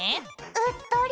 「うっとり！」。